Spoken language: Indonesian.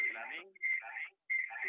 supaya bisa berhasil